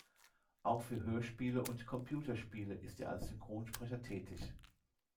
Auch für Hörspiele und Computerspiele ist er als Synchronsprecher tätig.